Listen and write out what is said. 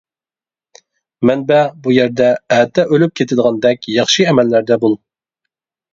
مەنبە بۇ يەردە ئەتە ئۆلۈپ كېتىدىغاندەك ياخشى ئەمەللەردە بول.